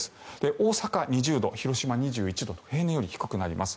大阪、２０度広島、２１度と平年より低くなります。